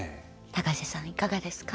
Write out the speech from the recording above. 高瀬さん、いかがですか。